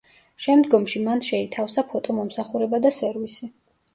შემდგომში მან შეითავსა ფოტო მომსახურება და სერვისი.